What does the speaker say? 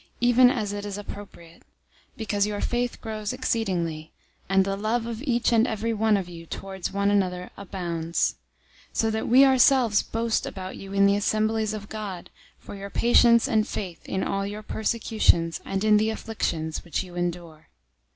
"} even as it is appropriate, because your faith grows exceedingly, and the love of each and every one of you towards one another abounds; 001:004 so that we ourselves boast about you in the assemblies of God for your patience and faith in all your persecutions and in the afflictions which you endure.